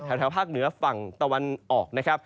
แถวภาคเหนือฝั่งตะวันออกนะครับ